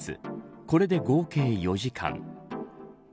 これで合計４時間。